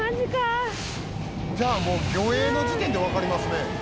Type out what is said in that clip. じゃあもう魚影の時点でわかりますね。